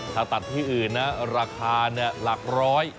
ถ้าตัดที่อื่นราคาหลักร้อย